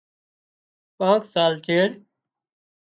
ڪانڪ سال چيڙ